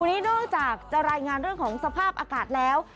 วันนี้นอกจากจะรายงานเรื่องของสภาพอากาศแล้ว